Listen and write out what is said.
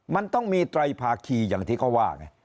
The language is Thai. มันต้องมีไตรภาคีอย่างที่เขาว่าไง